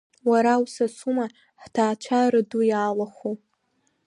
Уара усасума, ҳҭаацәара ду иалахәу!